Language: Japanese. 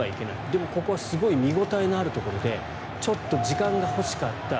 でも、ここはすごく見応えのあるところでちょっと時間が欲しかった。